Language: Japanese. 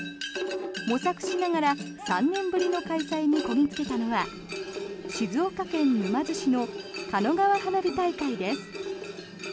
模索しながら３年ぶりの開催にこぎ着けたのは静岡県沼津市の狩野川花火大会です。